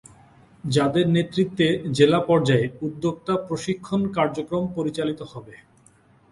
যাদের নেতৃত্বে জেলা পর্যায়ে উদ্যোক্তা প্রশিক্ষণ কার্যক্রম পরিচালিত হবে।